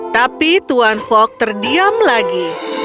tapi tuan fok terdiam lagi